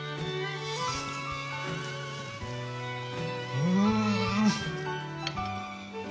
うん！